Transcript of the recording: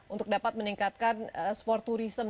untuk dapat meningkatkan sport tourism